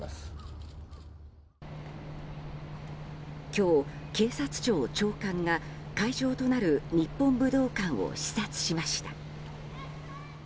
今日、警察庁長官が会場となる日本武道館を視察しました。